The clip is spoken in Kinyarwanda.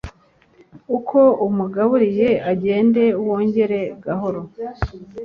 uko umugaburiye, ugende wongera gahoro